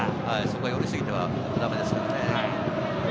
寄り過ぎてはだめですからね。